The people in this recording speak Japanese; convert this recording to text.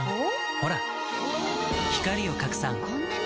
ほら光を拡散こんなに！